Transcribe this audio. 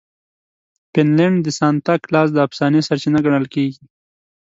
فنلنډ د سانتا کلاز د افسانې سرچینه ګڼل کیږي.